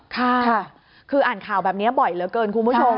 ค่ะคืออ่านข่าวแบบนี้บ่อยเหลือเกินคุณผู้ชม